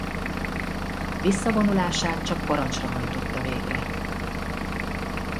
Visszavonulását csak parancsra hajtotta végre.